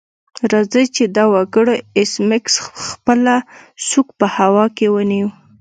راځئ چې دا وکړو ایس میکس خپله سوک په هوا کې ونیو